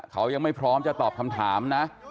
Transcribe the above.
เขายังไม่พร้อมจะตอบคำถามนะ